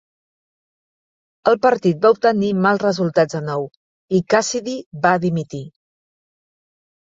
El partit va obtenir mals resultats de nou, i Cassidy va dimitir.